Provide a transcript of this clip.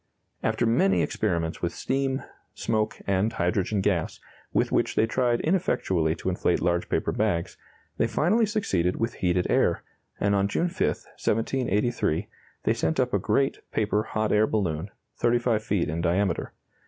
After many experiments with steam, smoke, and hydrogen gas, with which they tried ineffectually to inflate large paper bags, they finally succeeded with heated air, and on June 5, 1783, they sent up a great paper hot air balloon, 35 feet in diameter.